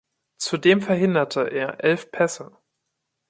Zudem verhinderte er elf Pässe.